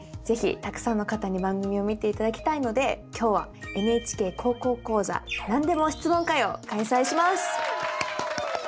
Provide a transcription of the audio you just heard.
是非たくさんの方に番組を見ていただきたいので今日は「ＮＨＫ高校講座」なんでも質問会を開催します。